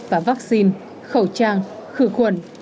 và vaccine khẩu trang khử khuẩn